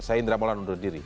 saya indra maulana undur diri